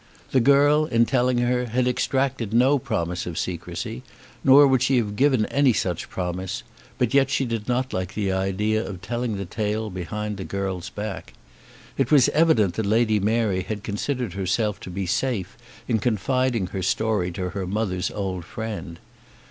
The girl, in telling her, had exacted no promise of secrecy, nor would she have given any such promise; but yet she did not like the idea of telling the tale behind the girl's back. It was evident that Lady Mary had considered herself to be safe in confiding her story to her mother's old friend.